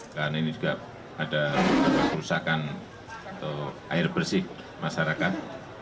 karena ini juga ada perusakan air bersih masyarakat